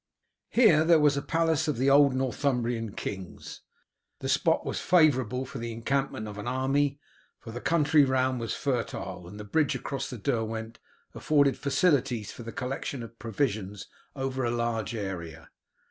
Here there was a palace of the old Northumbrian kings. The spot was favourable for the encampment of an army, for the country round was fertile and the bridge across the Derwent afforded facilities for the collection of provisions over a large area.